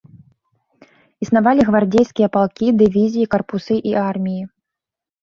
Існавалі гвардзейскія палкі, дывізіі, карпусы і арміі.